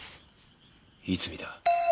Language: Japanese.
いつ見た？